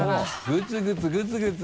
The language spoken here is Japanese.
グツグツグツグツ。